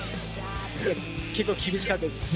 結構厳しかったですね。